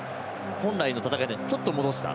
本来の戦い方にちょっと戻した。